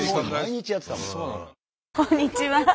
こんにちは。